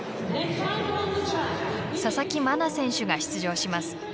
佐々木真菜選手が出場します。